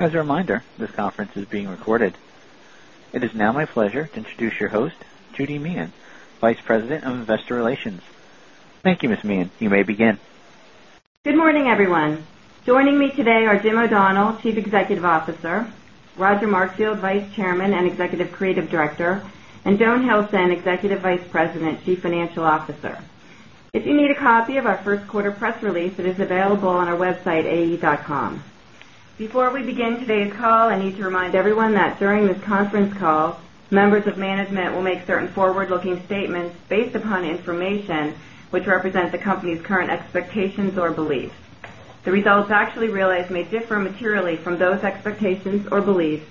As a reminder, this conference is being recorded. It is now my pleasure to introduce your host, Judy Meehan, Vice President of Investor Relations. Thank you, Ms. Meehan. You may begin. Good morning, everyone. Joining me today are Jim O'Donnell, Chief Executive Officer, Roger Markfield, Vice Chairman and Executive Creative Director, and Joan Hilson, Executive Vice President, Chief Financial Officer. If you need a copy of our First Quarter press release, it is available on our website, AE.com. Before we begin today's call, I need to remind everyone that during this conference call, members of management will make certain forward-looking statements based upon information which represents the company's current expectations or beliefs. The results actually realized may differ materially from those expectations or beliefs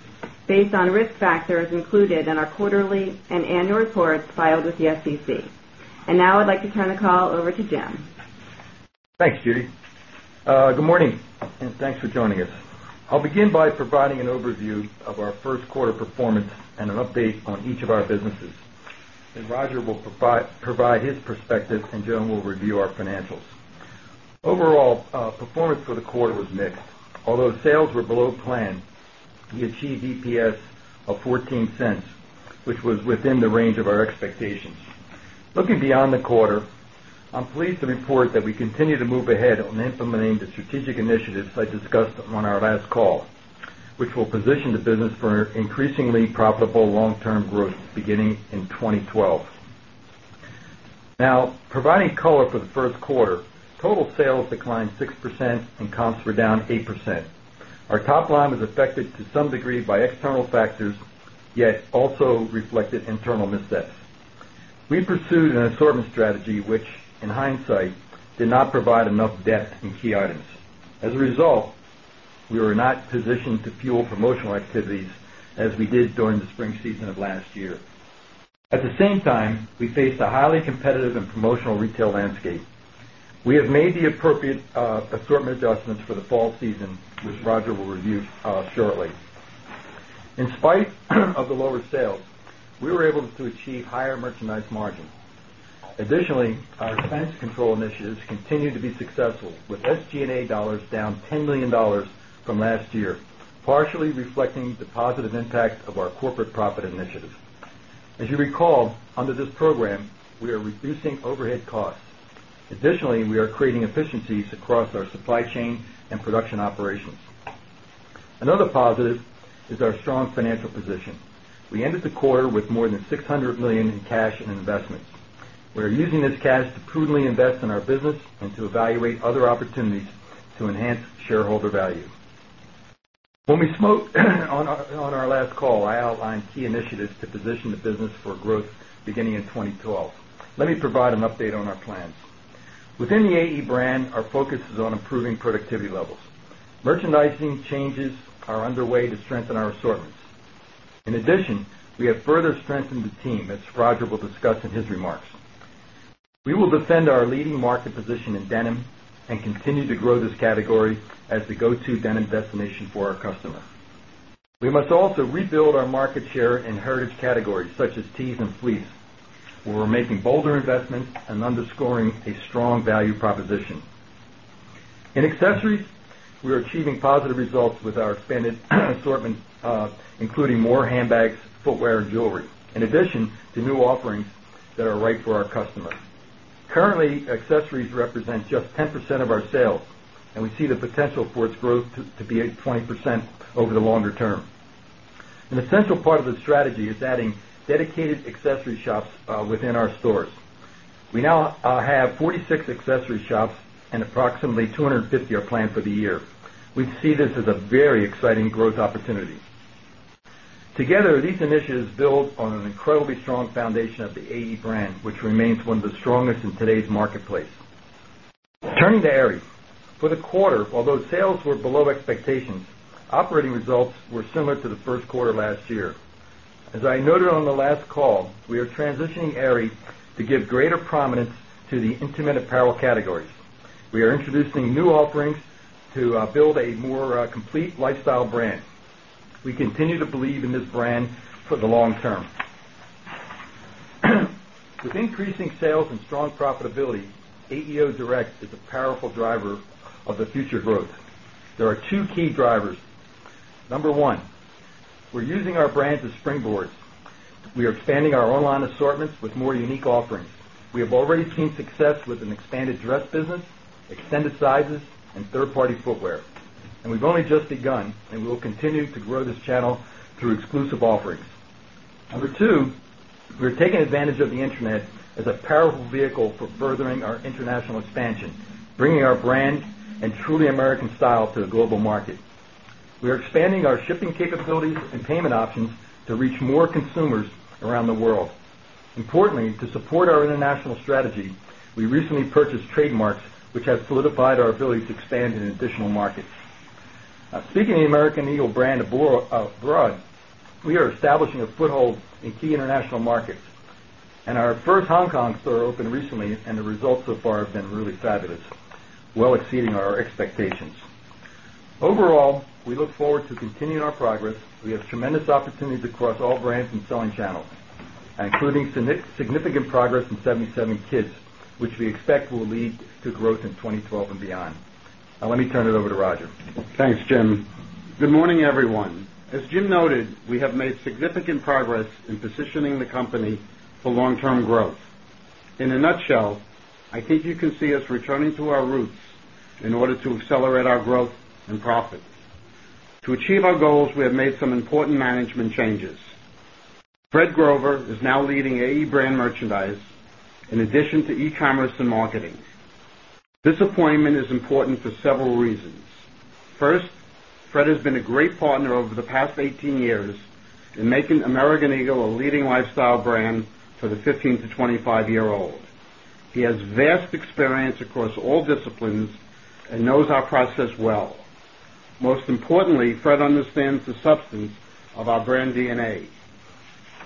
based on risk factors included in our quarterly and annual reports filed with the SEC. I would now like to turn the call over to Jim. Thanks, Judy. Good morning, and thanks for joining us. I'll begin by providing an overview of our First Quarter performance and an update on each of our businesses. Roger will provide his perspective, and Joan will review our financials. Overall, performance for the quarter was mixed. Although sales were below plan, we achieved EPS of $0.14, which was within the range of our expectations. Looking beyond the quarter, I'm pleased to report that we continue to move ahead on implementing the strategic initiatives I discussed on our last call, which will position the business for increasingly profitable long-term growth beginning in 2012. Now, providing color for the First Quarter, total sales declined 6% and comps were down 8%. Our top line was affected to some degree by external factors, yet also reflected internal missteps. We pursued an assortment strategy, which in hindsight did not provide enough depth in key items. As a result, we were not positioned to fuel promotional activities as we did during the spring season of last year. At the same time, we faced a highly competitive and promotional retail landscape. We have made the appropriate assortment adjustments for the fall season, which Roger will review shortly. In spite of the lower sales, we were able to achieve higher merchandise margins. Additionally, our expense control initiatives continue to be successful, with SG&A dollars down $10 million from last year, partially reflecting the positive impact of our corporate profit initiative. As you recall, under this program, we are reducing overhead costs. Additionally, we are creating efficiencies across our supply chain and production operations. Another positive is our strong financial position. We ended the quarter with more than $600 million in cash and investments. We are using this cash to prudently invest in our business and to evaluate other opportunities to enhance shareholder value. When we spoke on our last call, I outlined key initiatives to position the business for growth beginning in 2012. Let me provide an update on our plans. Within the AE brand, our focus is on improving productivity levels. Merchandising changes are underway to strengthen our assortments. In addition, we have further strengthened the team as Roger will discuss in his remarks. We will defend our leading market position in denim and continue to grow this category as the go-to denim destination for our customers. We must also rebuild our market share in heritage categories such as tees and fleece, where we're making bolder investments and underscoring a strong value proposition. In accessories, we are achieving positive results with our expanded assortment, including more handbags, footwear, and jewelry, in addition to new offerings that are right for our customers. Currently, accessories represent just 10% of our sales, and we see the potential for its growth to be 20% over the longer term. An essential part of the strategy is adding dedicated accessory shops within our stores. We now have 46 accessory shops, and approximately 250 are planned for the year. We see this as a very exciting growth opportunity. Together, these initiatives build on an incredibly strong foundation of the AE brand, which remains one of the strongest in today's marketplace. Turning to Aerie, for the quarter, although sales were below expectations, operating results were similar to the First Quarter last year. As I noted on the last call, we are transitioning Aerie to give greater prominence to the intimate apparel categories. We are introducing new offerings to build a more complete lifestyle brand. We continue to believe in this brand for the long term. With increasing sales and strong profitability, AE Direct is a powerful driver of the future growth. There are two key drivers. Number one, we're using our brand as springboards. We are expanding our online assortments with more unique offerings. We have already seen success with an expanded dress business, extended sizes, and third-party footwear. We've only just begun, and we will continue to grow this channel through exclusive offerings. Number two, we're taking advantage of the internet as a powerful vehicle for furthering our international expansion, bringing our brand and truly American style to the global market. We are expanding our shipping capabilities and payment options to reach more consumers around the world. Importantly, to support our international strategy, we recently purchased trademarks, which have solidified our ability to expand in additional markets. Speaking of the American Eagle brand abroad, we are establishing a foothold in key international markets. Our first Hong Kong store opened recently, and the results so far have been really fabulous, well exceeding our expectations. Overall, we look forward to continuing our progress. We have tremendous opportunities across all brands and selling channels, including significant progress in 77kids, which we expect will lead to growth in 2012 and beyond. Now, let me turn it over to Roger. Thanks, Jim. Good morning, everyone. As Jim noted, we have made significant progress in positioning the company for long-term growth. In a nutshell, I think you can see us returning to our roots in order to accelerate our growth and profits. To achieve our goals, we have made some important management changes. Fred Grover is now leading AE brand merchandise, in addition to e-commerce and marketing. This appointment is important for several reasons. First, Fred has been a great partner over the past 18 years in making American Eagle a leading lifestyle brand for the 15 to 25-year-old. He has vast experience across all disciplines and knows our process well. Most importantly, Fred understands the substance of our brand DNA.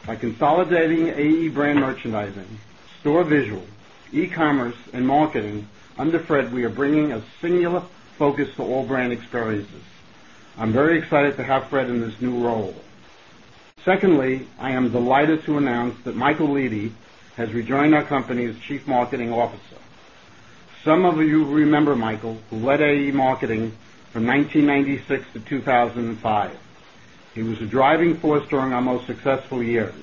By consolidating AE brand merchandising, store visual, e-commerce, and marketing under Fred, we are bringing a singular focus to all brand experiences. I'm very excited to have Fred in this new role. Secondly, I am delighted to announce that Michael Leedy has rejoined our company as Chief Marketing Officer. Some of you remember Michael, who led AE marketing from 1996 to 2005. He was a driving force during our most successful years.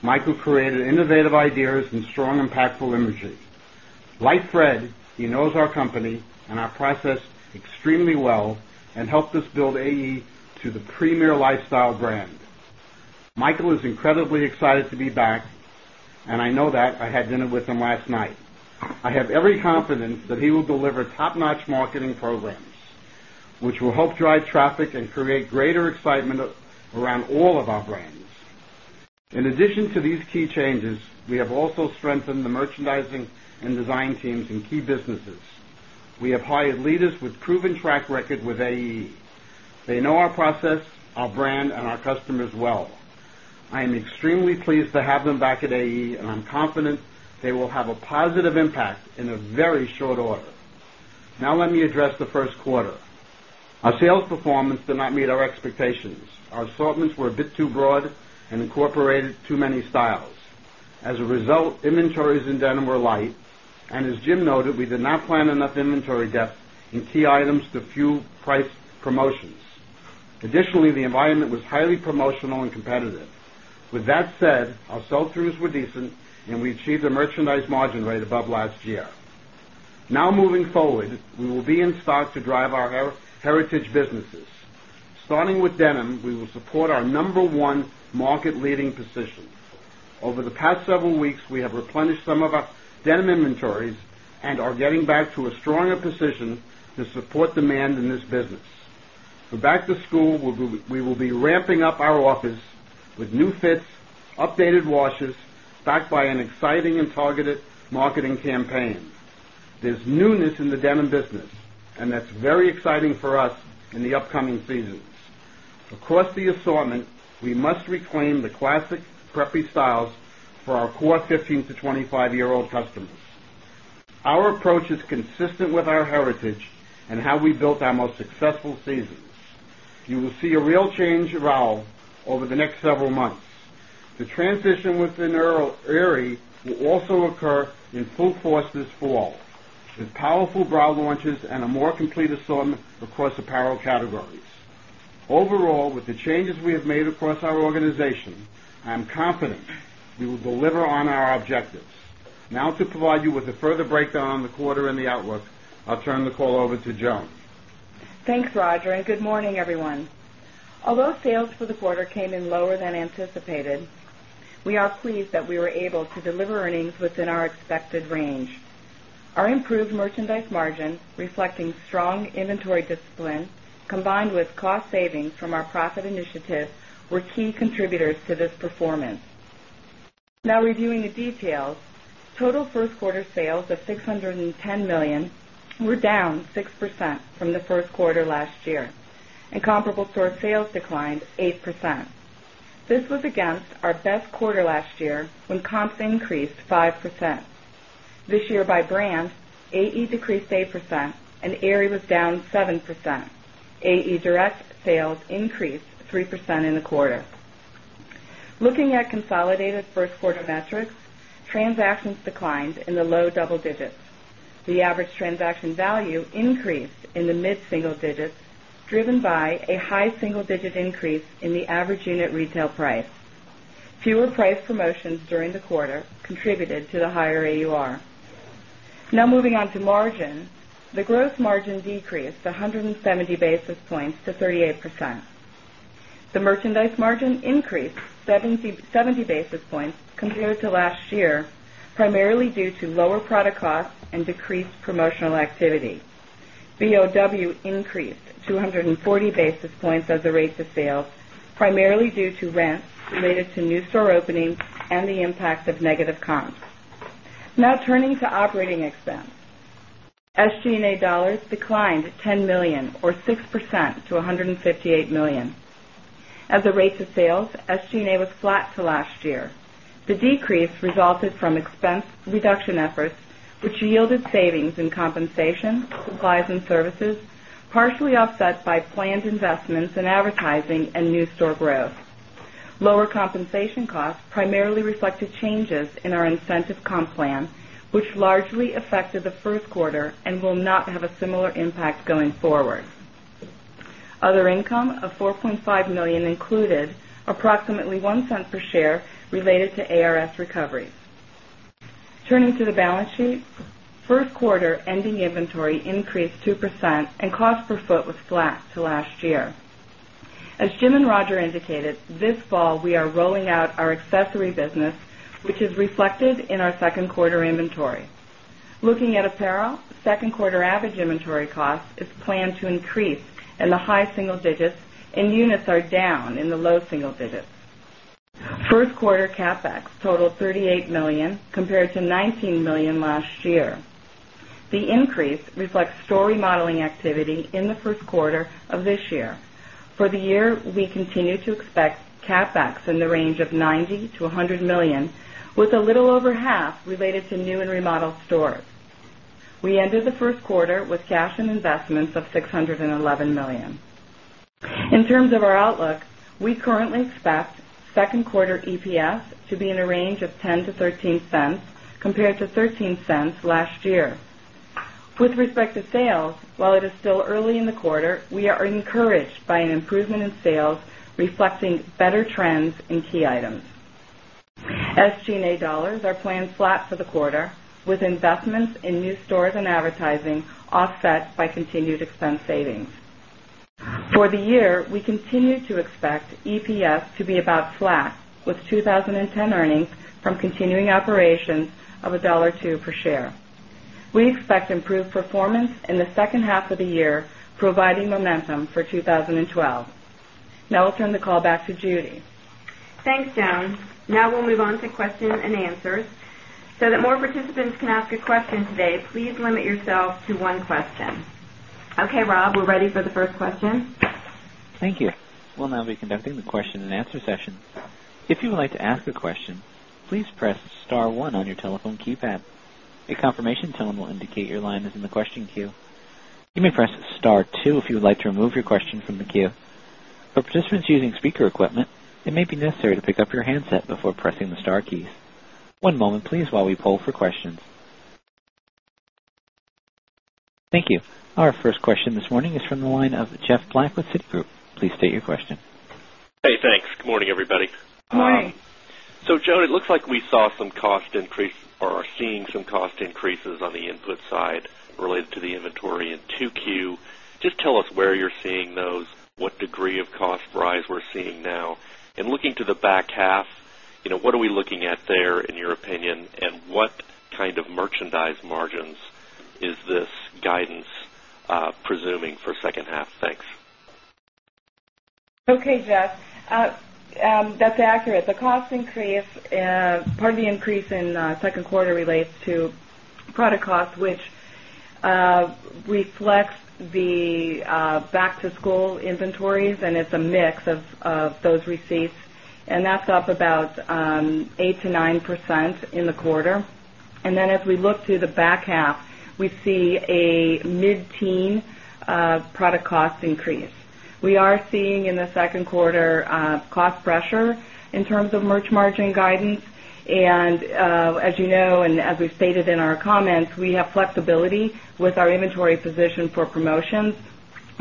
Michael created innovative ideas and strong, impactful imagery. Like Fred, he knows our company and our process extremely well and helped us build AE to the premier lifestyle brand. Michael is incredibly excited to be back, and I know that. I had dinner with him last night. I have every confidence that he will deliver top-notch marketing programs, which will help drive traffic and create greater excitement around all of our brands. In addition to these key changes, we have also strengthened the merchandising and design teams in key businesses. We have hired leaders with a proven track record with AE. They know our process, our brand, and our customers well. I am extremely pleased to have them back at AE, and I'm confident they will have a positive impact in a very short order. Now, let me address the First Quarter. Our sales performance did not meet our expectations. Our assortments were a bit too broad and incorporated too many styles. As a result, inventories in denim were light, and as Jim noted, we did not plan enough inventory depth in key items to fuel price promotions. Additionally, the environment was highly promotional and competitive. With that said, our sell-throughs were decent, and we achieved a merchandise margin rate above last year. Now, moving forward, we will be in stock to drive our heritage businesses. Starting with denim, we will support our number one market-leading position. Over the past several weeks, we have replenished some of our denim inventories and are getting back to a stronger position to support demand in this business. We're back to school. We will be ramping up our office with new fits, updated washes, backed by an exciting and targeted marketing campaign. There's newness in the denim business, and that's very exciting for us in the upcoming seasons. Across the assortment, we must reclaim the classic scrappy styles for our core 15 to 25-year-old customers. Our approach is consistent with our heritage and how we built our most successful seasons. You will see a real change in Aerie over the next several months. The transition within Aerie will also occur in full force this fall, with powerful bra launches and a more complete assortment across apparel categories. Overall, with the changes we have made across our organization, I'm confident we will deliver on our objectives. Now, to provide you with a further breakdown on the quarter and the outlook, I'll turn the call over to Joan. Thanks, Roger, and good morning, everyone. Although sales for the quarter came in lower than anticipated, we are pleased that we were able to deliver earnings within our expected range. Our improved merchandise margin, reflecting strong inventory discipline, combined with cost savings from our profit initiative, were key contributors to this performance. Now, reviewing the details, total First Quarter sales of $610 million were down 6% from the First Quarter last year, and comparable store sales declined 8%. This was against our best quarter last year, when comps increased 5%. This year, by brand, AE decreased 8%, and Aerie was down 7%. AE Direct sales increased 3% in the quarter. Looking at consolidated First Quarter metrics, transactions declined in the low double digits. The average transaction value increased in the mid-single digits, driven by a high single-digit increase in the average unit retail price. Fewer price promotions during the quarter contributed to the higher AUR. Now, moving on to margin, the gross margin decreased 170 basis points to 38%. The merchandise margin increased 70 basis points compared to last year, primarily due to lower product costs and decreased promotional activity. BOW increased 240 basis points as the rates of sales, primarily due to rents related to new store openings and the impact of negative comps. Now, turning to operating expense, SG&A dollars declined $10 million, or 6%, to $158 million. At the rates of sales, SG&A was flat for last year. The decrease resulted from expense reduction efforts, which yielded savings in compensation, supplies, and services, partially offset by planned investments in advertising and new store growth. Lower compensation costs primarily reflected changes in our incentive comp plan, which largely affected the First Quarter and will not have a similar impact going forward. Other income of $4.5 million included approximately $0.01 per share related to ARS recovery. Turning to the balance sheet, First Quarter ending inventory increased 2%, and cost per foot was flat to last year. As Jim and Roger indicated, this fall we are rolling out our accessory business, which is reflected in our second quarter inventory. Looking at apparel, second quarter average inventory costs is planned to increase in the high single digits, and units are down in the low single digits. First Quarter CapEx totaled $38 million compared to $19 million last year. The increase reflects store remodeling activity in the First Quarter of this year. For the year, we continue to expect CapEx in the range of $90 million-$100 million, with a little over half related to new and remodeled stores. We ended the First Quarter with cash and investments of $611 million. In terms of our outlook, we currently expect second quarter EPS to be in a range of $0.10-$0.13 compared to $0.13 last year. With respect to sales, while it is still early in the quarter, we are encouraged by an improvement in sales, reflecting better trends in key items. SG&A dollars are planned flat for the quarter, with investments in new stores and advertising offset by continued expense savings. For the year, we continue to expect EPS to be about flat, with 2010 earnings from continuing operations of $1.02 per share. We expect improved performance in the second half of the year, providing momentum for 2012. Now, I'll turn the call back to Judy. Thanks, Joan. Now we'll move on to questions and answers. To allow more participants to ask a question today, please limit yourself to one question. OK, Rob, we're ready for the first question. Thank you. We'll now be conducting the question and answer sessions. If you would like to ask a question, please press star one on your telephone keypad. A confirmation tone will indicate your line is in the question queue. You may press star two if you would like to remove your question from the queue. For participants using speaker equipment, it may be necessary to pick up your handset before pressing the star keys. One moment, please, while we poll for questions. Thank you. Our first question this morning is from the line of Jeff Black with Citi. Please state your question. Hey, thanks. Good morning, everybody. Good morning. Joan, it looks like we saw some cost increases or are seeing some cost increases on the input side related to the inventory in Q2. Just tell us where you're seeing those, what degree of cost rise we're seeing now. Looking to the back half, you know, what are we looking at there, in your opinion, and what kind of merchandise margins is this guidance presuming for the second half? Thanks. OK, Jeff. That's accurate. The cost increase, part of the increase in the second quarter relates to product costs, which reflects the back-to-school inventories, and it's a mix of those receipts. That's up about 8%-9% in the quarter. As we look to the back half, we see a mid-teen product cost increase. We are seeing in the second quarter cost pressure in terms of merch margin guidance. As you know, and as we've stated in our comments, we have flexibility with our inventory position for promotions,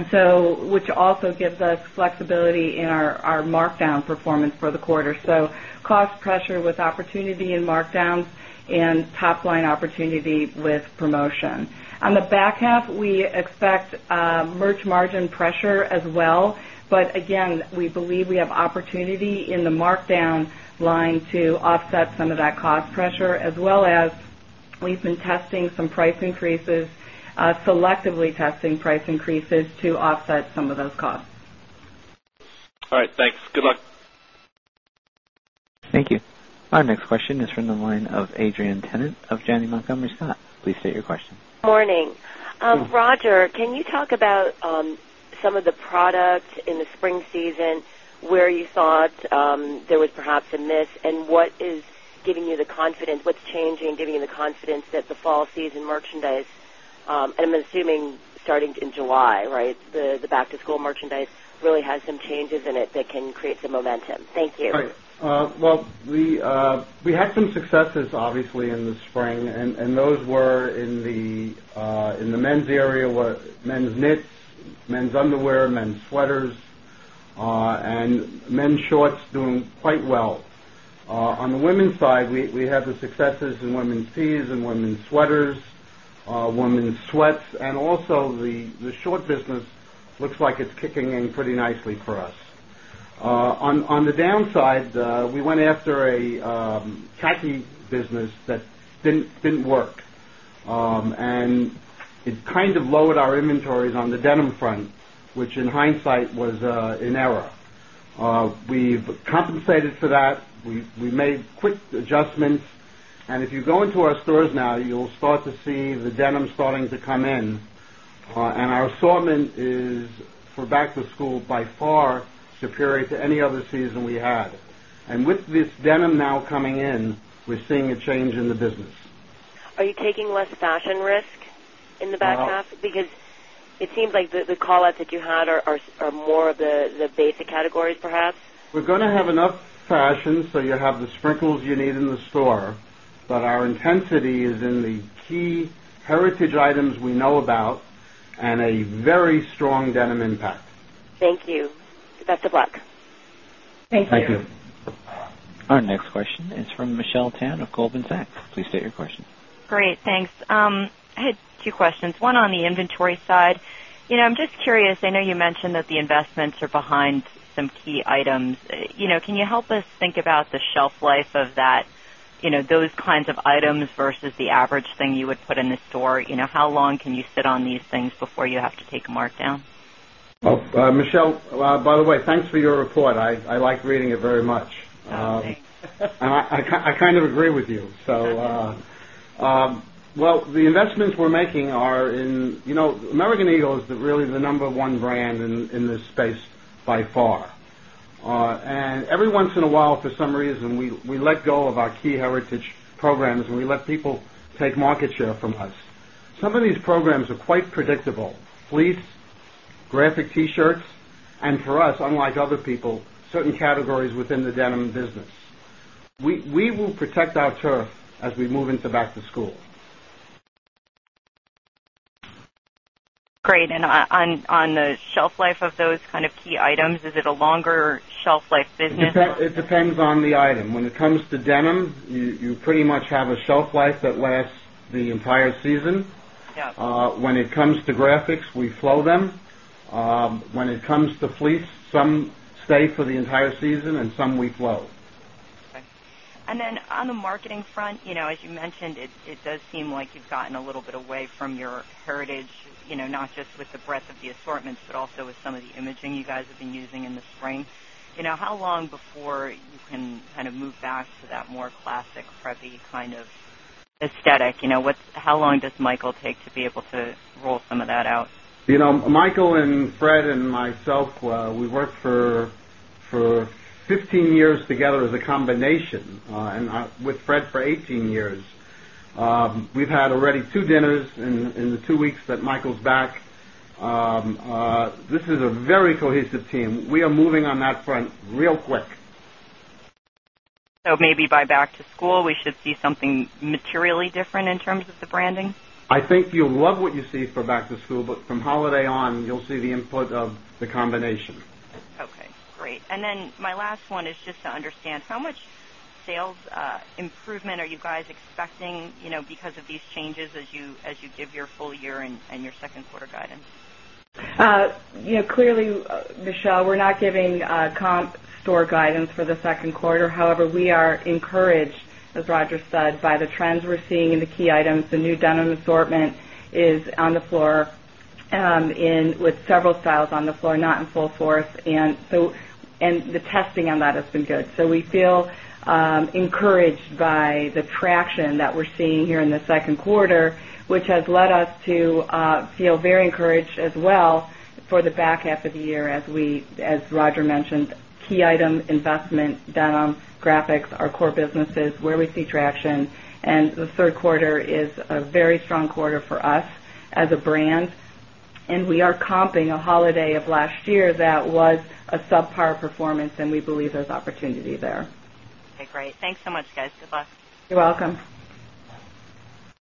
which also gives us flexibility in our markdown performance for the quarter. Cost pressure with opportunity in markdowns and top line opportunity with promotion. On the back half, we expect merch margin pressure as well. Again, we believe we have opportunity in the markdown line to offset some of that cost pressure, as well as we've been testing some price increases, selectively testing price increases to offset some of those costs. All right, thanks. Good luck. Thank you. Our next question is from the line of Adrienne Tennant of Janney Montgomery Scott. Please state your question. Morning. Roger, can you talk about some of the product in the spring season where you thought there was perhaps a miss, and what is giving you the confidence, what's changing giving you the confidence that the fall season merchandise, and I'm assuming starting in July, right, the back-to-school merchandise really has some changes in it that can create some momentum? Thank you. Right. We had some successes, obviously, in the spring, and those were in the men's area, men's knits, men's underwear, men's sweaters, and men's shorts doing quite well. On the women's side, we have the successes in women's tees and women's sweaters, women's sweats, and also the short business looks like it's kicking in pretty nicely for us. On the downside, we went after a khaki business that didn't work, and it kind of lowered our inventories on the denim front, which in hindsight was an error. We've compensated for that. We made quick adjustments. If you go into our stores now, you'll start to see the denim starting to come in. Our assortment is for back-to-school by far superior to any other season we had. With this denim now coming in, we're seeing a change in the business. Are you taking less fashion risk in the back half? Yes. Because it seems like the callouts that you had are more of the basic categories, perhaps. We're going to have enough fashion, so you have the sprinkles you need in the store. Our intensity is in the key heritage items we know about and a very strong denim impact. Thank you. That's a plus. Thank you. Thank you. Our next question is from Michelle Tan of Goldman Sachs. Please state your question. Great, thanks. I had two questions, one on the inventory side. I'm just curious. I know you mentioned that the investments are behind some key items. Can you help us think about the shelf life of those kinds of items versus the average thing you would put in the store? How long can you sit on these things before you have to take a markdown? Michelle, by the way, thanks for your report. I like reading it very much. Thanks. I kind of agree with you. The investments we're making are in, you know, American Eagle is really the number one brand in this space by far. Every once in a while, for some reason, we let go of our key heritage programs and we let people take market share from us. Some of these programs are quite predictable: fleece, graphic tees, and for us, unlike other people, certain categories within the denim business. We will protect our turf as we move into back-to-school. Great. On the shelf life of those kind of key items, is it a longer shelf life business? It depends on the item. When it comes to denim, you pretty much have a shelf life that lasts the entire season. Yeah. When it comes to graphics, we flow them. When it comes to fleece, some stay for the entire season, and some we flow. OK. On the marketing front, as you mentioned, it does seem like you've gotten a little bit away from your heritage, not just with the breadth of the assortments, but also with some of the imaging you guys have been using in the spring. How long before you can kind of move back to that more classic Freddie kind of aesthetic? How long does Michael take to be able to roll some of that out? You know, Michael and Fred and myself, we worked for 15 years together as a combination, and with Fred for 18 years. We've had already two dinners in the two weeks that Michael's back. This is a very cohesive team. We are moving on that front real quick. By back-to-school, we should see something materially different in terms of the branding? I think you'll love what you see for back-to-school, but from holiday on, you'll see the input of the combination. OK, great. My last one is just to understand how much sales improvement are you guys expecting, you know, because of these changes as you give your full year and your second quarter guidance? You know, clearly, Michelle, we're not giving comp store guidance for the second quarter. However, we are encouraged, as Roger said, by the trends we're seeing in the key items. The new denim assortment is on the floor with several styles on the floor, not in full force. The testing on that has been good. We feel encouraged by the traction that we're seeing here in the second quarter, which has led us to feel very encouraged as well for the back half of the year, as we, as Roger mentioned, key item investment, denim, graphics, our core businesses, where we see traction. The third quarter is a very strong quarter for us as a brand. We are comping a holiday of last year that was a subpar performance, and we believe there's opportunity there. OK, great. Thanks so much, guys. Good luck. You're welcome.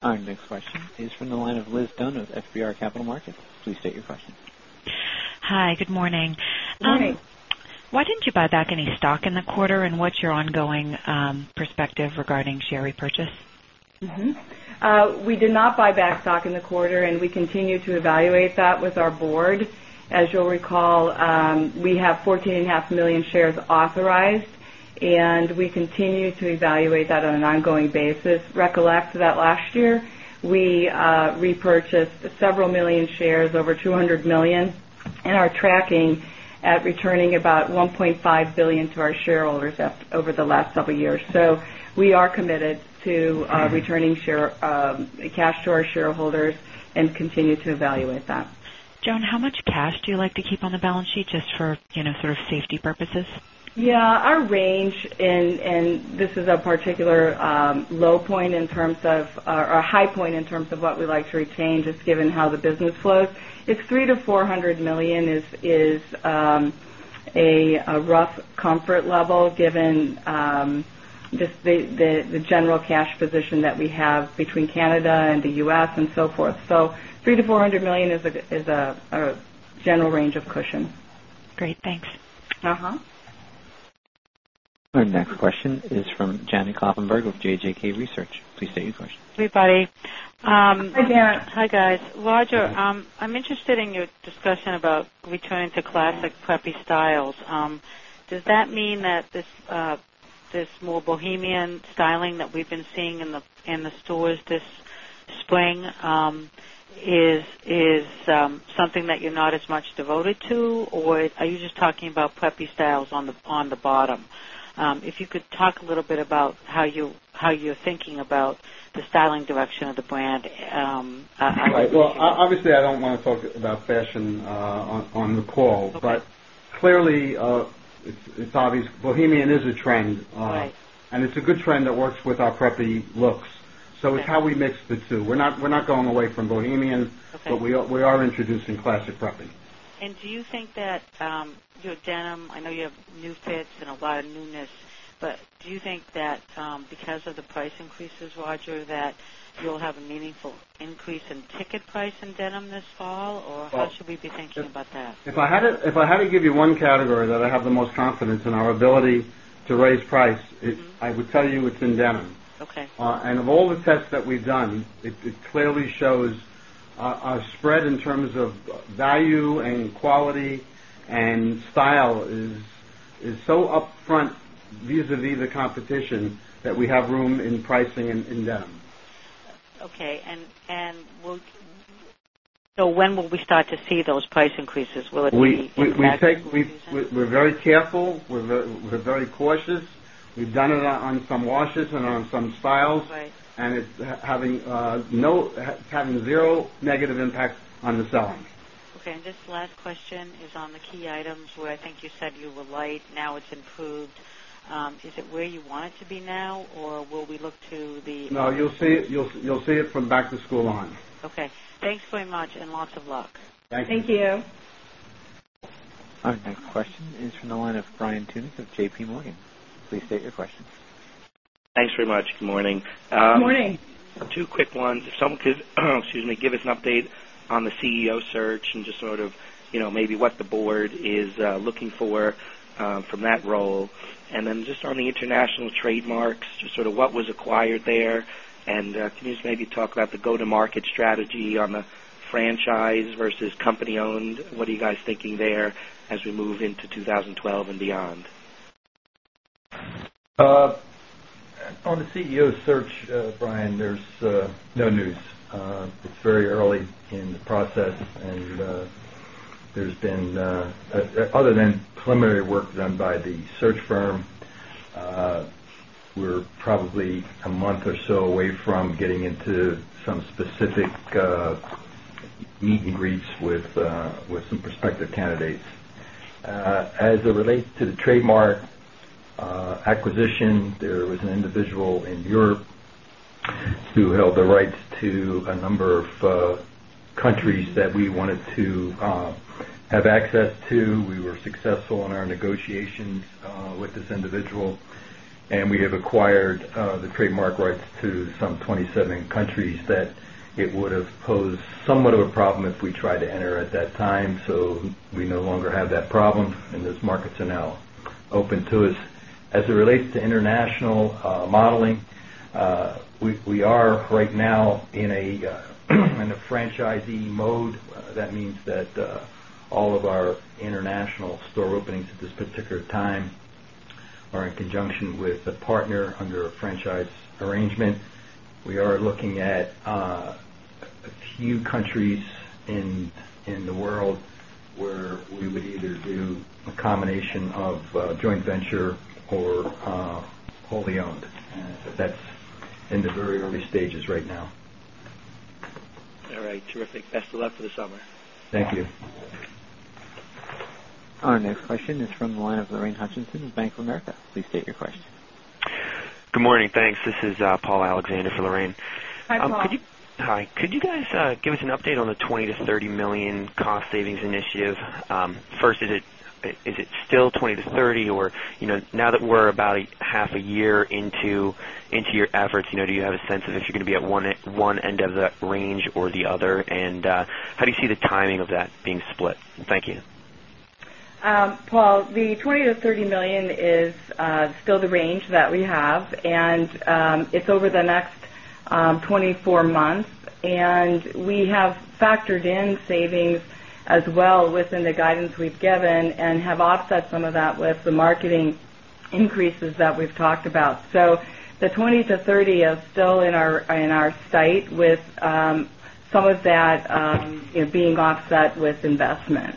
Our next question is from the line of Liz Dunn of FBR Capital Markets. Please state your question. Hi, good morning. Hi. Why didn't you buy back any stock in the quarter, and what's your ongoing perspective regarding share repurchase? We did not buy back stock in the quarter, and we continue to evaluate that with our board. As you'll recall, we have 14.5 million shares authorized, and we continue to evaluate that on an ongoing basis. Recollect that last year, we repurchased several million shares, over $200 million, and are tracking at returning about $1.5 billion to our shareholders over the last several years. We are committed to returning cash to our shareholders and continue to evaluate that. Joan, how much cash do you like to keep on the balance sheet, just for sort of safety purposes? Yeah, our range, and this is a particular low point in terms of, or a high point in terms of what we like to retain, just given how the business flows, is $300 million-$400 million. It is a rough comfort level, given just the general cash position that we have between Canada and the U.S. and so forth. $300 million-$400 million is a general range of cushion. Great, thanks. Uh-huh. Our next question is from Janet Kloppenburg of JJK Research. Please state your question. Hi, guys. Roger, I'm interested in your discussion about returning to classic preppy styles. Does that mean that this more bohemian styling that we've been seeing in the stores this spring is something that you're not as much devoted to, or are you just talking about preppy styles on the bottom? If you could talk a little bit about how you're thinking about the styling direction of the brand. Right. Obviously, I don't want to talk about fashion on the call, but clearly, it's obvious bohemian is a trend. Right. It is a good trend that works with our preppy looks. It is how we mix the two. We are not going away from bohemian, but we are introducing classic preppy. Do you think that your denim, I know you have new fits and a lot of newness, but do you think that because of the price increases, Roger, that you'll have a meaningful increase in ticket price in denim this fall, or what should we be thinking about that? If I had to give you one category that I have the most confidence in our ability to raise price, I would tell you it's in denim. OK. Of all the tests that we've done, it clearly shows our spread in terms of value and quality and style is so upfront vis-à-vis the competition that we have room in pricing in denim. OK. When will we start to see those price increases? Will it be in the next few weeks? We're very careful. We're very cautious. We've done it on some washes and on some styles, and it's having zero negative impacts on the selling. OK. This last question is on the key items, where I think you said you were light. Now it's improved. Is it where you want it to be now, or will we look to the? No, you'll see it from back-to-school on. OK, thanks very much and lots of luck. Thank you. Thank you. Our next question is from the line of Brian Tunick of JPMorgan. Please state your question. Thanks very much. Good morning. Morning. Two quick ones. If someone could give us an update on the CEO search and just sort of, you know, maybe what the board is looking for from that role. Then just on the international trademarks, just sort of what was acquired there, and can you just maybe talk about the go-to-market strategy on the franchise versus company-owned? What are you guys thinking there as we move into 2012 and beyond? On the CEO search, Brian, there's no news. It's very early in the process, and there's been, other than preliminary work done by the search firm, we're probably a month or so away from getting into some specific meet and greets with some prospective candidates. As it relates to the trademark acquisition, there was an individual in Europe who held the rights to a number of countries that we wanted to have access to. We were successful in our negotiations with this individual, and we have acquired the trademark rights to some 27 countries that it would have posed somewhat of a problem if we tried to enter at that time. We no longer have that problem, and those markets are now open to us. As it relates to international modeling, we are right now in a franchisee mode. That means that all of our international store openings at this particular time are in conjunction with a partner under a franchise arrangement. We are looking at a few countries in the world where we would either do a combination of joint venture or wholly owned. That's in the very early stages right now. All right, terrific. Best of luck for the summer. Thank you. Our next question is from the line of Lorraine Hutchinson of Bank of America. Please state your question. Good morning, thanks. This is Paul Alexander for Lorraine. Hi, Paul. Could you guys give us an update on the $20 million-$30 million cost savings initiative? First, is it still $20 million- $30 million, or now that we're about half a year into your efforts, do you have a sense of if you're going to be at one end of the range or the other, and how do you see the timing of that being split? Thank you. Paul, the $20 million-$30 million is still the range that we have, and it's over the next 24 months. We have factored in savings as well within the guidance we've given and have offset some of that with the marketing increases that we've talked about. The $20 million-$30 million is still in our sight with some of that being offset with investment.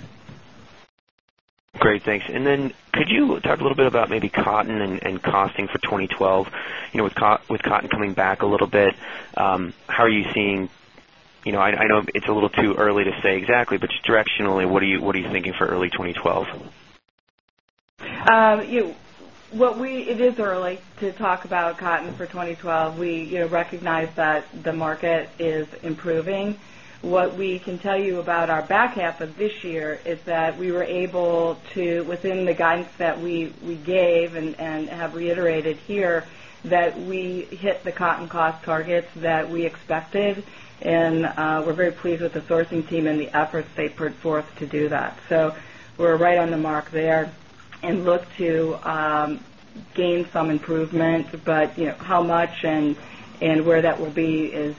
Great, thanks. Could you talk a little bit about maybe cotton and costing for 2012? With cotton coming back a little bit, how are you seeing? I know it's a little too early to say exactly, but just directionally, what are you thinking for early 2012? It is early to talk about cotton for 2012. We recognize that the market is improving. What we can tell you about our back half of this year is that we were able to, within the guidance that we gave and have reiterated here, that we hit the cotton cost targets that we expected, and we're very pleased with the sourcing team and the efforts they put forth to do that. We are right on the mark there and look to gain some improvement. However, how much and where that will be is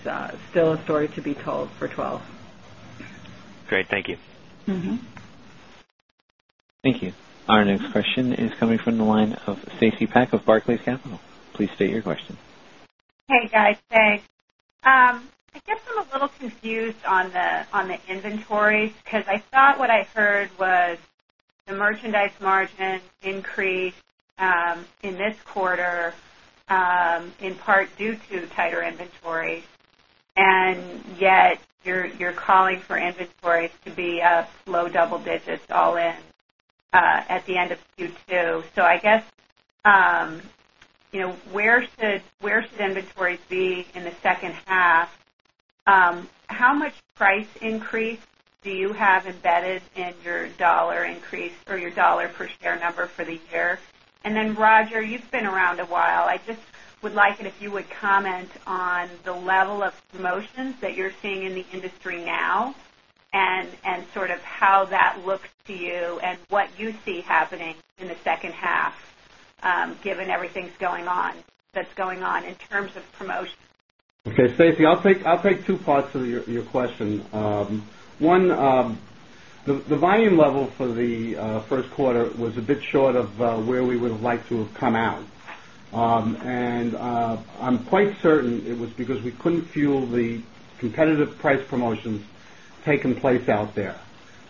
still a story to be told for 2012. Great, thank you. Thank you. Our next question is coming from the line of Stacy Pak of Barclays Capital. Please state your question. Hey, guys, thanks. I get a little confused on the inventories because I thought what I heard was the merchandise margins increased in this quarter in part due to tighter inventories, yet you're calling for inventories to be up low double digits all in at the end of Q2. I guess, you know, where should inventories be in the second half? How much price increase do you have embedded in your dollar increase or your dollar per share number for the year? Roger, you've been around a while. I just would like it if you would comment on the level of promotions that you're seeing in the industry now and sort of how that looks to you and what you see happening in the second half, given everything that's going on in terms of promotion. OK, Stacy, I'll take two parts of your question. One, the volume level for the First Quarter was a bit short of where we would have liked to have come out. I'm quite certain it was because we couldn't fuel the competitive price promotions taking place out there.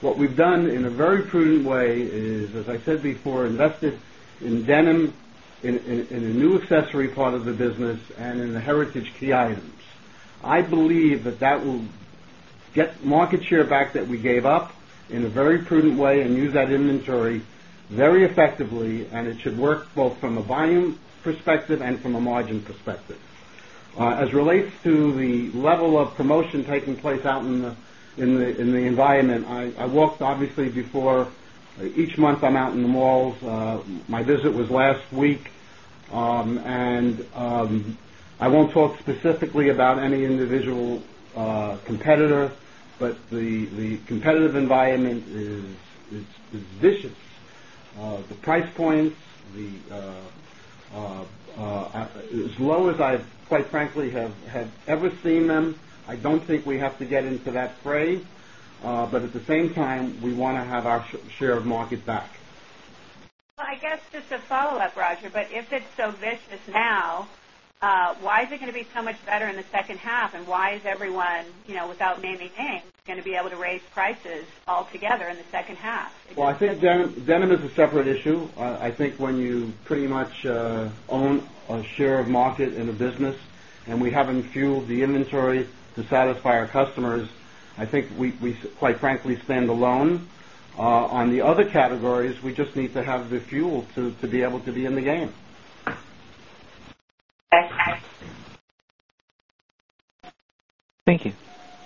What we've done in a very prudent way is, as I said before, invested in denim, in a new accessory part of the business, and in the heritage key items. I believe that that will get market share back that we gave up in a very prudent way and use that inventory very effectively, and it should work both from a volume perspective and from a margin perspective. As it relates to the level of promotion taking place out in the environment, I walked, obviously, before each month I'm out in the malls. My visit was last week, and I won't talk specifically about any individual competitor, but the competitive environment is vicious. The price points, as low as I quite frankly have ever seen them, I don't think we have to get into that phrase. At the same time, we want to have our share of market back. Roger, if it's so vicious now, why is it going to be so much better in the second half, and why is everyone, you know, without naming names, going to be able to raise prices altogether in the second half? I think denim is a separate issue. I think when you pretty much own a share of market in a business and we haven't fueled the inventory to satisfy our customers, I think we quite frankly stand alone. On the other categories, we just need to have the fuel to be able to be in the game. Yes. Thank you.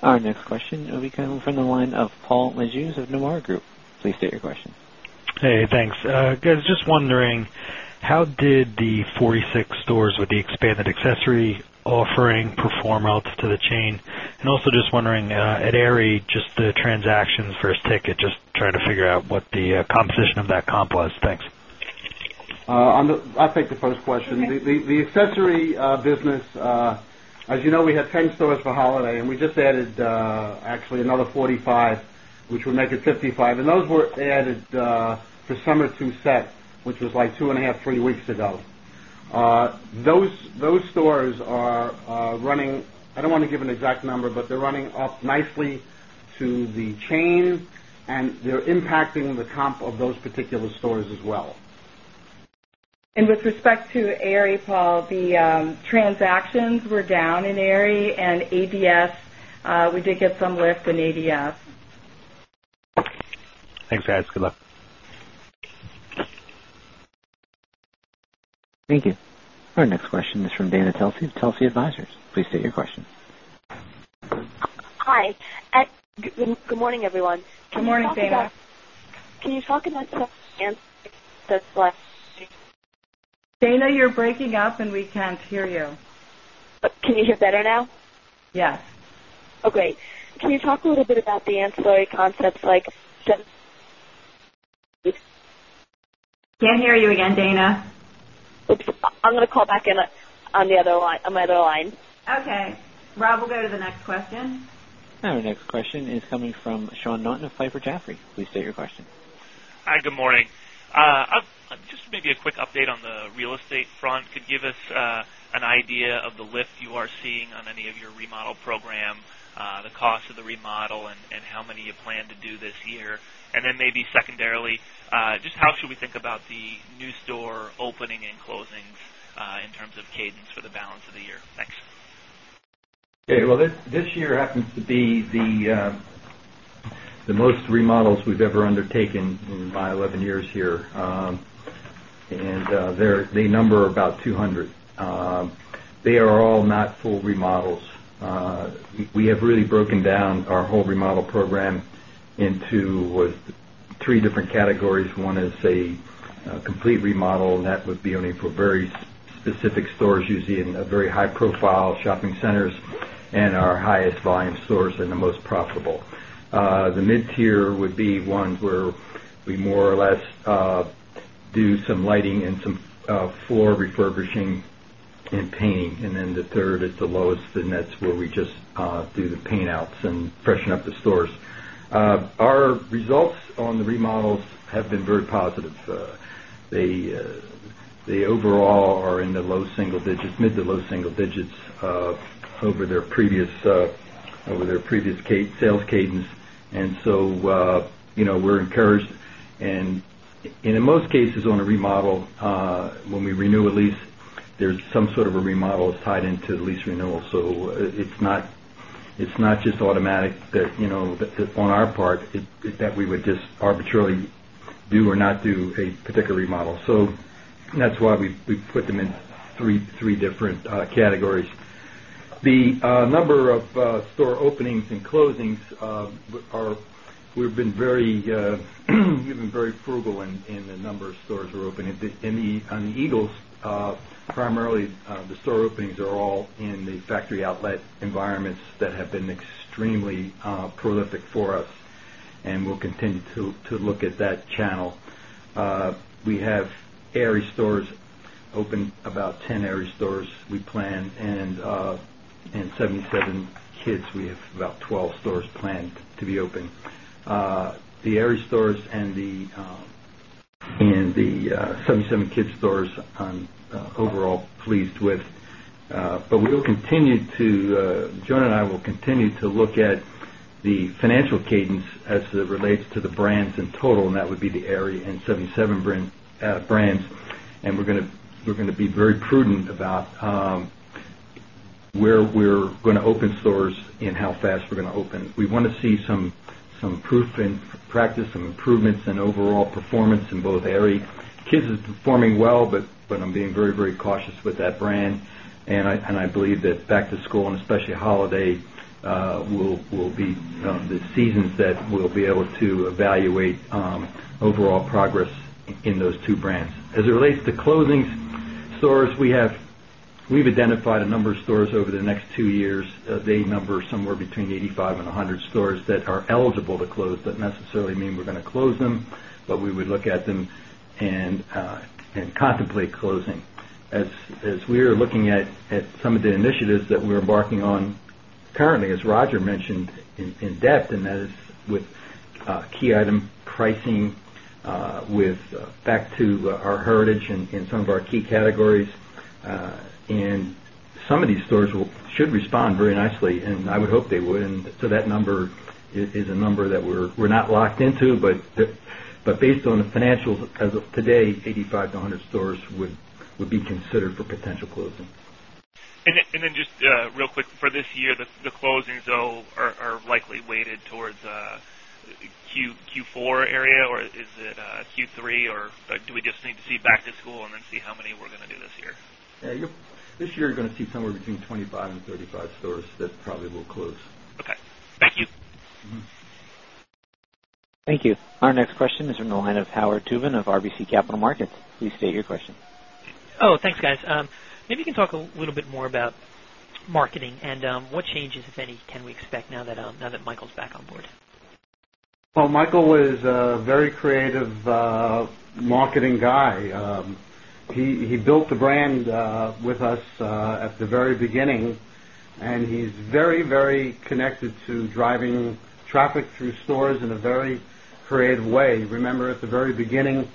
Our next question will be coming from the line of Paul Lejuez of Nomura Group. Please state your question. Hey, thanks. I was just wondering, how did the 46 stores with the expanded accessory offering perform relative to the chain? Also, just wondering, at Aerie, just the transactions versus ticket, just trying to figure out what the composition of that comp was. Thanks. I think the first question, the accessory business, as you know, we had 10 stores for holiday, and we just added actually another 45, which would make it 55. Those were added for summer to set, which was like 2.5, 3 weeks ago. Those stores are running, I don't want to give an exact number, but they're running up nicely to the chain, and they're impacting the comp of those particular stores as well. With respect to Aerie, Paul, the transactions were down in Aerie, and ADS, we did get some lift in ADS. Thank you, guys. Good luck. Thank you. Our next question is from Dana Telsey of Telsey Advisory Group. Please state your question. Hi. Good morning, everyone. Good morning, Dana. Can you talk about some ancestry concepts? Dana, you're breaking up, and we can't hear you. Can you hear better now? Yes. OK, can you talk a little bit about the ancestry concepts? Can't hear you again, Dana. Oops. I'm going to call back in on the other line. Rob will go to the next question. Our next question is coming from Jay Sole of Piper Jaffray. Please state your question. Hi, good morning. Just maybe a quick update on the real estate front. Could you give us an idea of the lift you are seeing on any of your remodel program, the cost of the remodel, and how many you plan to do this year? Also, how should we think about the new store opening and closings in terms of cadence for the balance of the year? Thanks. OK, this year happens to be the most remodels we've ever undertaken in my 11 years here, and they number about 200. They are all not full remodels. We have really broken down our whole remodel program into three different categories. One is a complete remodel, and that would be only for very specific stores, usually in very high-profile shopping centers, and our highest volume stores and the most profitable. The mid-tier would be ones where we more or less do some lighting and some floor refurbishing and painting. The third is the lowest, and that's where we just do the paint-outs and freshen up the stores. Our results on the remodels have been very positive. They overall are in the low single digits, mid to low single digits over their previous sales cadence. We're encouraged. In most cases on a remodel, when we renew a lease, there's some sort of a remodel that's tied into the lease renewal. It's not just automatic that, on our part, we would just arbitrarily do or not do a particular remodel. That's why we put them in three different categories. The number of store openings and closings are we've been very frugal in the number of stores we're opening. On the Eagles, primarily, the store openings are all in the factory outlet environments that have been extremely prolific for us, and we'll continue to look at that channel. We have Aerie stores open, about 10 Aerie stores we plan, and 77kids we have about 12 stores planned to be open. The Aerie stores and the 77kids stores I'm overall pleased with. We will continue to, Joan and I will continue to look at the financial cadence as it relates to the brands in total, and that would be the Aerie and 77 brands. We're going to be very prudent about where we're going to open stores and how fast we're going to open. We want to see some proof in practice, some improvements in overall performance in both Aerie. Kids is performing well, but I'm being very, very cautious with that brand. I believe that back-to-school and especially holiday will be the seasons that we'll be able to evaluate overall progress in those two brands. As it relates to closing stores, we have identified a number of stores over the next two years. They number somewhere between 85 and 100 stores that are eligible to close. It doesn't necessarily mean we're going to close them, but we would look at them and contemplate closing. As we are looking at some of the initiatives that we're embarking on currently, as Roger Markfield mentioned in depth, that is with key item pricing, with back to our heritage and some of our key categories. Some of these stores should respond very nicely, and I would hope they would. That number is a number that we're not locked into, but based on the financials as of today, 85 to 100 stores would be considered for potential closing. Just real quick, for this year, the closings are likely weighted towards Q4 area, or is it Q3, or do we just need to see back-to-school and then see how many we're going to do this year? This year, you're going to see somewhere between 25 and 35 stores that probably will close. OK, thank you. Thank you. Our next question is from the line of Howard Tuhman of RBC Capital Markets. Please state your question. Oh, thanks, guys. Maybe you can talk a little bit more about marketing and what changes, if any, can we expect now that Michael's back on board? Michael is a very creative marketing guy. He built the brand with us at the very beginning, and he's very, very connected to driving traffic through stores in a very creative way. Remember, at the very beginning,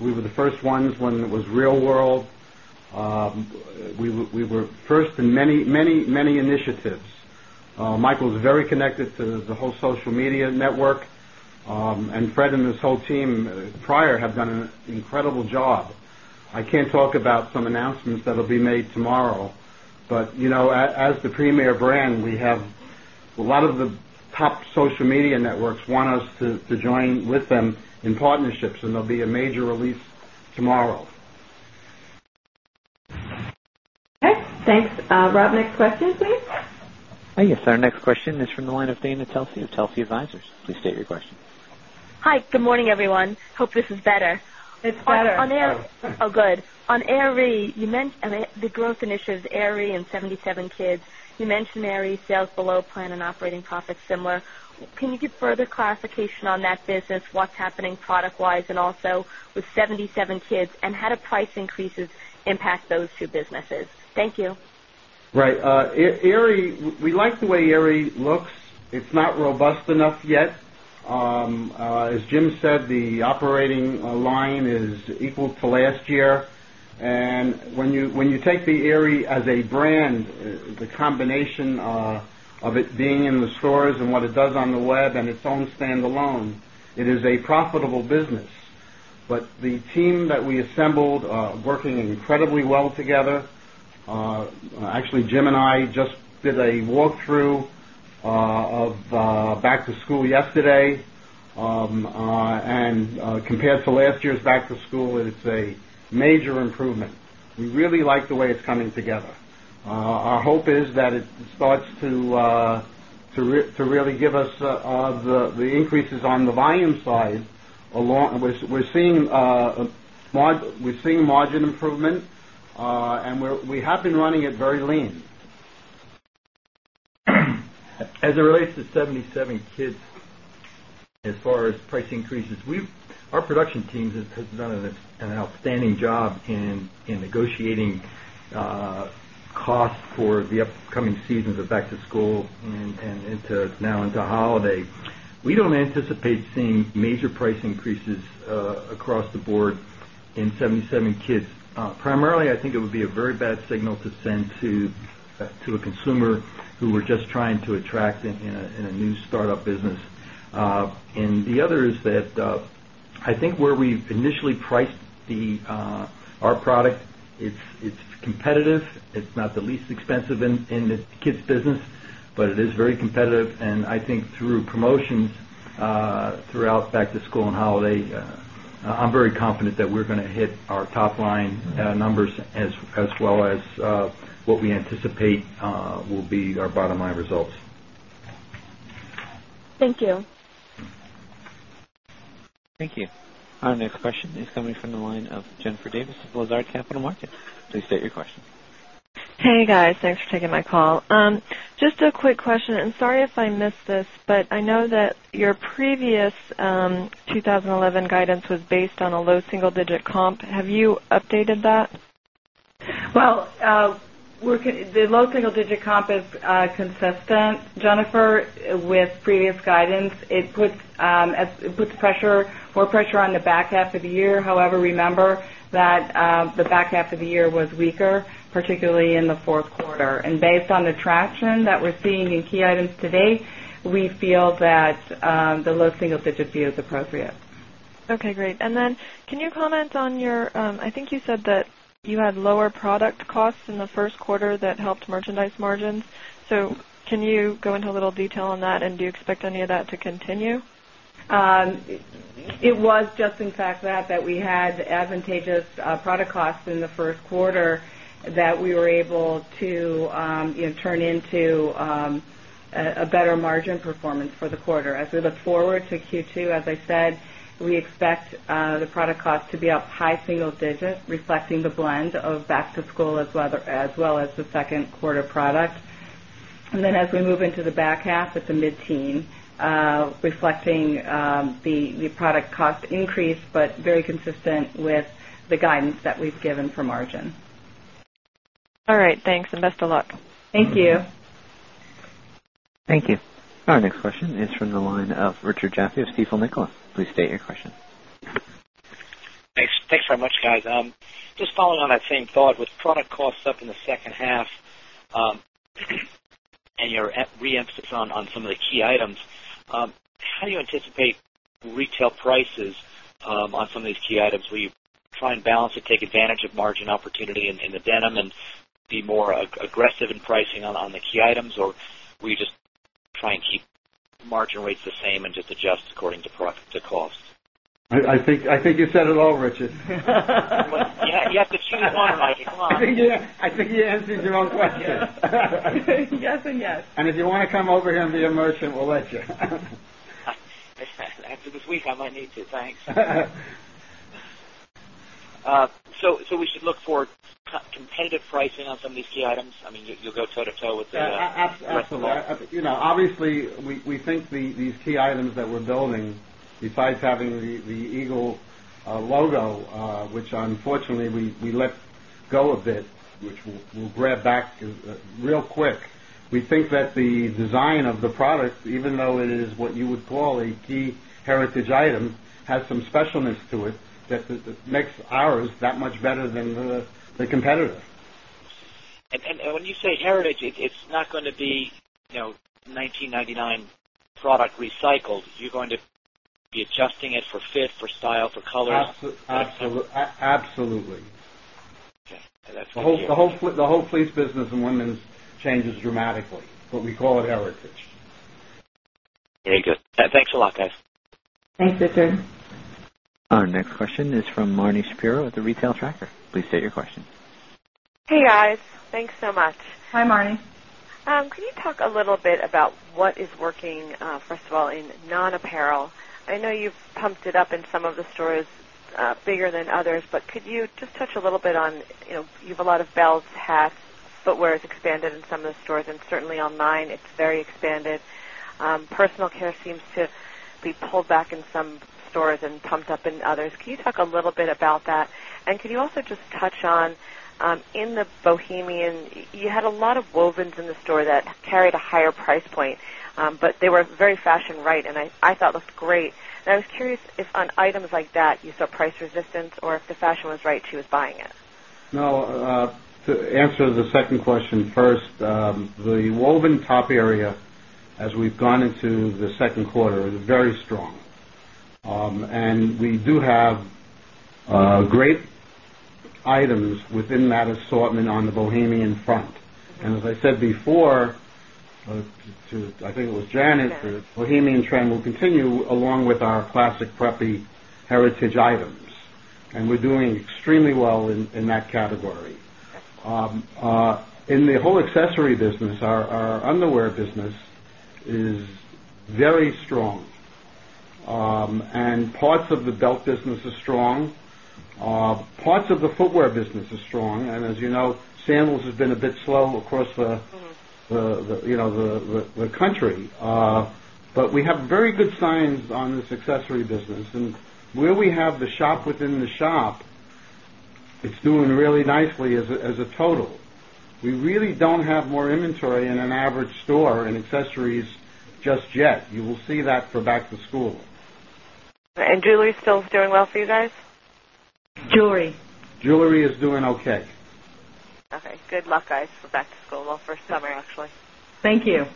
we were the first ones when it was real world. We were first in many, many, many initiatives. Michael is very connected to the whole social media network, and Fred and his whole team prior have done an incredible job. I can't talk about some announcements that will be made tomorrow, but you know, as the premier brand, we have a lot of the top social media networks want us to join with them in partnerships, and there'll be a major release tomorrow. OK, thanks. Rob, next question, please. Yes, our next question is from the line of Dana Telsey of Telsey Advisory Group. Please state your question. Hi, good morning, everyone. Hope this is better. It's better. Oh, good. On Aerie, you mentioned the growth initiatives Aerie and 77kids. You mentioned Aerie sales below plan and operating profits similar. Can you give further clarification on that business, what's happening product-wise, and also with 77kids and how the price increases impact those two businesses? Thank you. Right. We like the way Aerie looks. It's not robust enough yet. As Jim said, the operating line is equal to last year. When you take the Aerie as a brand, the combination of it being in the stores and what it does on the web and its own standalone, it is a profitable business. The team that we assembled is working incredibly well together. Actually, Jim and I just did a walkthrough of back-to-school yesterday, and compared to last year's back-to-school, it's a major improvement. We really like the way it's coming together. Our hope is that it starts to really give us the increases on the volume side. We're seeing margin improvement, and we have been running it very lean. As it relates to 77kids as far as price increases, our production team has done an outstanding job in negotiating costs for the upcoming seasons of back-to-school and now into holiday. We don't anticipate seeing major price increases across the board in 77kids. Primarily, I think it would be a very bad signal to send to a consumer who we're just trying to attract in a new startup business. The other is that I think where we initially priced our product, it's competitive. It's not the least expensive in the kids' business, but it is very competitive. I think through promotions throughout back-to-school and holiday, I'm very confident that we're going to hit our top line numbers as well as what we anticipate will be our bottom line results. Thank you. Thank you. Our next question is coming from the line of Jennifer Davis of Lazard Capital Markets. Please state your question. Hey, guys, thanks for taking my call. Just a quick question, and sorry if I missed this, but I know that your previous 2011 guidance was based on a low single-digit comp. Have you updated that? The low single-digit comp is consistent, Jennifer, with previous guidance. It puts pressure on the back half of the year. However, remember that the back half of the year was weaker, particularly in the fourth quarter. Based on the traction that we're seeing in key items today, we feel that the low single-digit view is appropriate. OK, great. Can you comment on your, I think you said that you had lower product costs in the First Quarter that helped merchandise margins. Can you go into a little detail on that, and do you expect any of that to continue? It was just, in fact, that we had advantageous product costs in the First Quarter that we were able to turn into a better margin performance for the quarter. As we look forward to Q2, as I said, we expect the product cost to be up high single digits, reflecting the blend of back-to-school as well as the second quarter product. As we move into the back half at the mid-teen, reflecting the product cost increase, but very consistent with the guidance that we've given for margin. All right, thanks and best of luck. Thank you. Thank you. Our next question is from the line of Richard Jaffe of Stifel & Co. Please state your question. Thanks very much, guys. Just following on that same thought with product costs up in the second half and your re-emphasis on some of the key items, how do you anticipate retail prices on some of these key items? Will you try and balance or take advantage of margin opportunity in the denim and be more aggressive in pricing on the key items, or will you just try and keep margin rates the same and just adjust according to costs? I think you said it all, Richard. Yeah, you have to choose one of them. I think you answered your own question. Yes, and yes. If you want to come over here and be a merchant, we'll let you. They're fast. I guess this week I might need to, thanks. We should look for competitive pricing on some of these key items. I mean, you go sort of forward to that. Absolutely. Obviously, we think these key items that we're building, besides having the Eagle logo, which unfortunately we let go a bit, which we'll grab back real quick, we think that the design of the products, even though it is what you would call a key heritage item, has some specialness to it that makes ours that much better than the competitors. When you say heritage, it's not going to be, you know, 1999 product recycled. You're going to be adjusting it for fit, for style, for color? Absolutely. OK. The whole fleece business in women's changes dramatically, but we call it heritage. Very good. Thanks a lot, guys. Thanks, Richard. Our next question is from Marni Shapiro of The Retail Tracker. Please state your question. Hey, guys, thanks so much. Hi, Marnie. Could you talk a little bit about what is working, first of all, in non-apparel? I know you've pumped it up in some of the stores bigger than others, but could you just touch a little bit on, you know, you have a lot of belts, hats, footwear that's expanded in some of the stores, and certainly on mine, it's very expanded. Personal care seems to be pulled back in some stores and pumped up in others. Could you talk a little bit about that? Could you also just touch on, in the bohemian, you had a lot of wovens in the store that carried a higher price point, but they were very fashion-right, and I thought it looked great. I was curious if on items like that you saw price resistance or if the fashion was right, she was buying it. No, to answer the second question first, the woven top area, as we've gone into the second quarter, is very strong. We do have great items within that assortment on the bohemian front. As I said before, I think it was Janet, the bohemian trend will continue along with our classic preppy heritage items. We're doing extremely well in that category. In the whole accessory business, our underwear business is very strong. Parts of the belt business are strong. Parts of the footwear business are strong. As you know, sandals have been a bit slow across the country. We have very good signs on this accessory business. Where we have the shop within the shop, it's doing really nicely as a total. We really don't have more inventory in an average store in accessories just yet. You will see that for back-to-school. Is jewelry still doing well for you guys? Jewelry. Jewelry is doing OK. OK, good luck, guys, for back-to-school. For summer, actually. Thank you.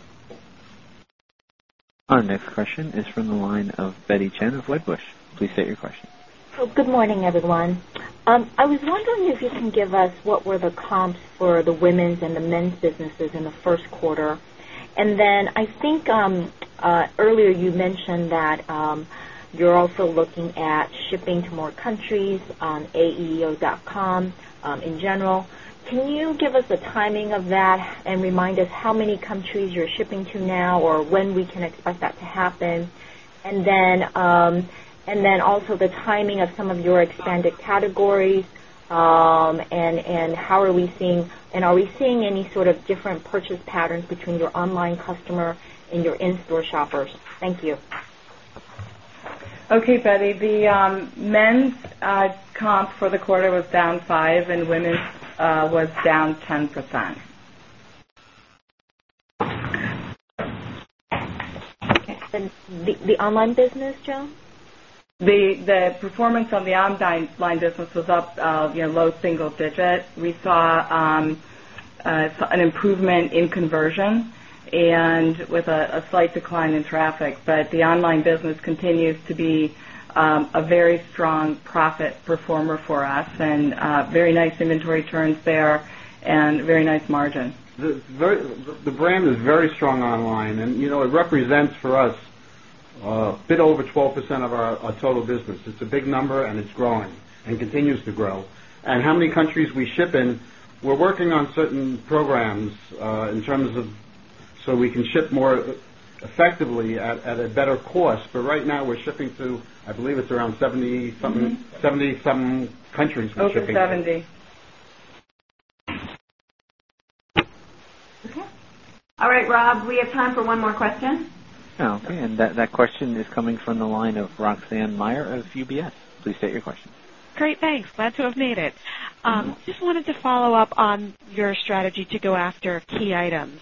Our next question is from the line of Betty Chen of Wedbush. Please state your question. Oh, good morning, everyone. I was wondering if you can give us what were the comps for the women's and the men's businesses in the First Quarter. I think earlier you mentioned that you're also looking at shipping to more countries on AEO.com in general. Can you give us the timing of that and remind us how many countries you're shipping to now or when we can expect that to happen? Also, the timing of some of your expanded categories, and are we seeing any sort of different purchase patterns between your online customer and your in-store shoppers? Thank you. OK, Betty, the men's comp for the quarter was down 5%, and women's was down 10%. The online business, Joan? The performance on the online business was up low single digits. We saw an improvement in conversion, with a slight decline in traffic. The online business continues to be a very strong profit performer for us, with very nice inventory turns there and very nice margin. The brand is very strong online, and you know it represents for us a bit over 12% of our total business. It's a big number, it's growing and continues to grow. How many countries we ship in, we're working on certain programs in terms of so we can ship more effectively at a better cost. Right now, we're shipping to, I believe it's around 70 something, 70 something countries we're shipping. Over 70. OK. All right, Rob, we have time for one more question. OK, that question is coming from the line of Roxanne Meyer of UBS. Please state your question. Great, thanks. Glad to have made it. Just wanted to follow up on your strategy to go after key items.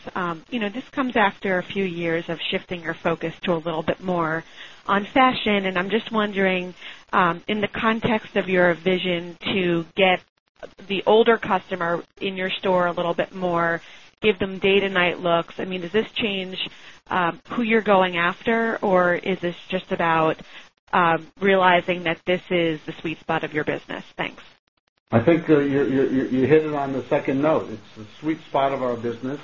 This comes after a few years of shifting your focus to a little bit more on fashion. I'm just wondering, in the context of your vision to get the older customer in your store a little bit more, give them day-to-night looks, does this change who you're going after, or is this just about realizing that this is the sweet spot of your business? Thanks. I think you hit it on the second note. It's the sweet spot of our business.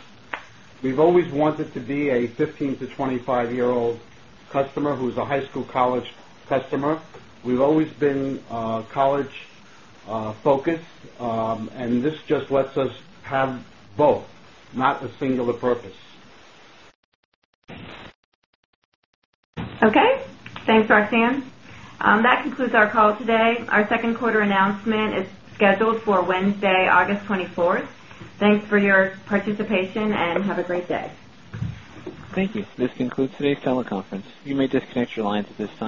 We've always wanted to be a 15 to 25-year-old customer who is a high school college customer. We've always been college-focused, and this just lets us have both, not a singular purpose. OK, thanks, Roxanne. That concludes our call today. Our second quarter announcement is scheduled for Wednesday, August 24. Thanks for your participation, and have a great day. Thank you. This concludes today's teleconference. You may disconnect your line at this time.